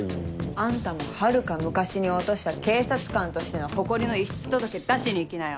あんたもはるか昔に落とした警察官としての誇りの遺失届出しに行きなよ。